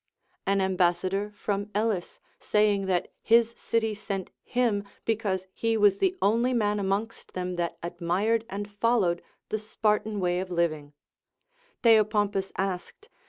An ambassa dor from EUs saying that his city sent him because he was the only man amongst them that admired and followed the Spartan way of living, Theopompus asked.